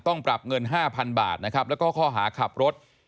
ต้องปรับเงิน๕๐๐๐บาทและก็ข้อหาขับรถ